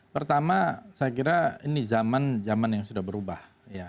pertama saya kira ini zaman zaman yang sudah berubah